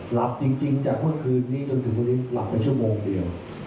หลับจริงจากเมื่อคืนนี้จนถึงวันนี้หลับไปชั่วโมงเดียว